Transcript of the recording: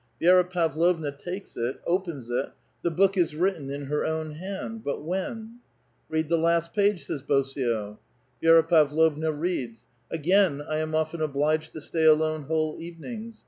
Vi^ra Pavlovna ^alces it, opens it; the book is written in her own hand — ^'^t ^hen? '' Head the last page," says Bosio. Vi^ra Pavlovna reads: "Again I am often obliged to sta ^r alone whole evenings.